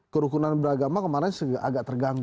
kerukunan beragama kemarin agak terganggu